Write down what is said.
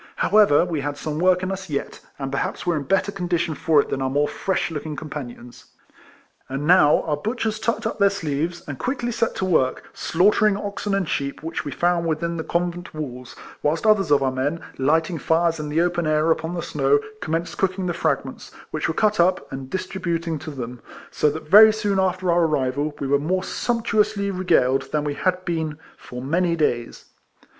However, we had some work in us yet ; and perhaps were in better condhion for it than our more fresh RIFLEMAN HARRIS. 155 lookino' comrades. And now our butchers o tucked up their sleeves, and quickly set to work, slaughtering oxen and sheep, which we found within the convent walls ; whilst others of our men, lighting fires in the open air upon the snow, commenced cooking the fragments, which were cut up, and distri buting to them ; so that very soon after our arrival, we were more sumptuously regaled than we had been for many days.